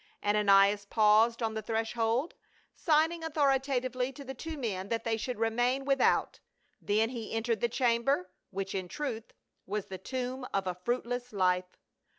Ananias paused on the threshold, signing authorita tively to the two men that they should remain without, then he entered the chamber, which, in truth, was the tomb of a fruitless life.